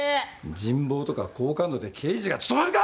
人望とか好感度で刑事が務まるか！